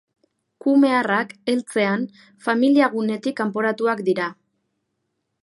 Kume arrak, heltzean, familiagunetik kanporatuak dira.